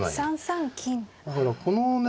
だからこのね